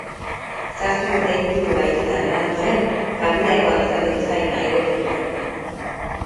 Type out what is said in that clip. Zazpi urte inguru bahituta eman ondoren, familiakoak izan ditu zain aireportuan.